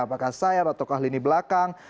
apakah sayar atau kah lini belakang